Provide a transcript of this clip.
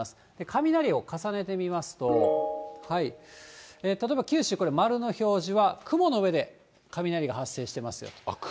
雷を重ねてみますと、例えば九州、丸の表示は雲の上で雷が発生していますよと。